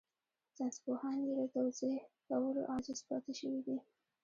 ساينسپوهان يې له توضيح کولو عاجز پاتې شوي دي.